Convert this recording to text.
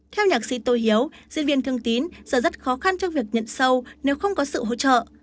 theo nhạc sĩ tô hiếu diễn viên thương tín sẽ rất khó khăn cho việc nhận sâu nếu không có sự hỗ trợ